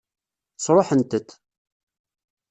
Sṛuḥent-t.